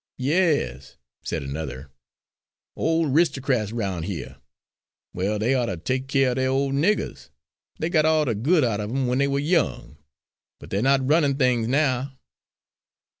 "Yes," said another, "old 'ristocrats roun' here. Well, they ought to take keer of their old niggers. They got all the good out of 'em when they were young. But they're not runnin' things now."